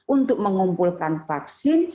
untuk mengumpulkan vaksin